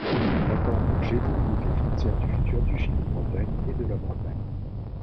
L'accord d'Angers délimite les frontières du futur duché de Bretagne et de la Bretagne.